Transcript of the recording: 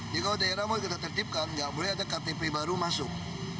jadi kalau daerah mau kita tetipkan nggak boleh ada ktp baru masuk